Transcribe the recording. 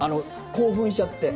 興奮しちゃって。